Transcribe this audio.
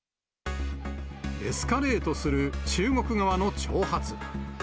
エスカレートする中国側の挑発。